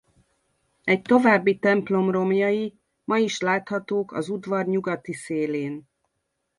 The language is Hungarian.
Egy további templom romjai ma is láthatók az udvar nyugati szélén.